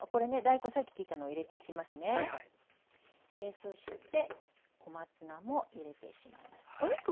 そして小松菜も入れてしまいます。